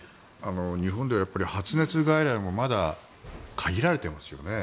日本では発熱外来もまだ限られていますよね。